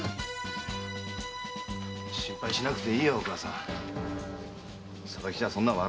心配しなくていいよお母さん。